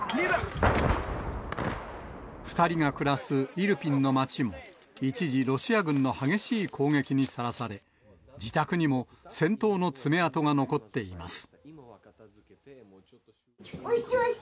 ２人が暮らすイルピンの町も、一時、ロシア軍の激しい攻撃にさらされ、自宅にも戦闘の爪痕が残っています。